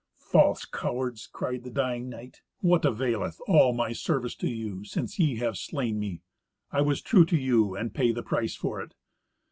"False cowards!" cried the dying knight. "What availeth all my service to you, since ye have slain me? I was true to you, and pay the price for it.